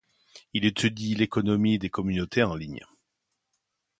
Il étudie l'économie des communautés en ligne.